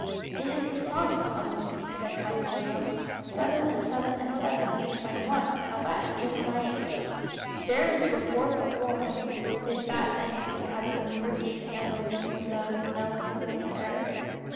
"It is the song that puzzles me," said Kind William. "Seven, and seven, and seven make twenty one. Now that is just my age." "There is your warp of woollen, if that is anything," added the weaver, gazing at the loom with a melancholy air.